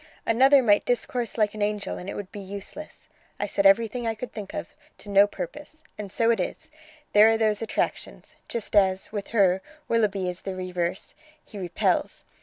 Another might discourse like an angel and it would be useless. I said everything I could think of, to no purpose. And so it is: there are those attractions! just as, with her, Willoughby is the reverse, he repels.